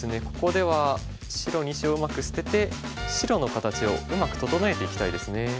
ここでは白２子をうまく捨てて白の形をうまく整えていきたいですね。